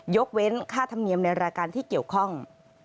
ยกเว้นค่าธรรมเนียมในรายการที่เกี่ยวข้อง